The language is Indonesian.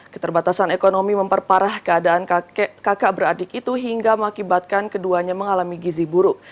keterbatasan ekonomi memperparah keadaan kakak beradik itu hingga mengakibatkan keduanya mengalami gizi buruk